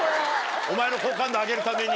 お前の好感度上げるために。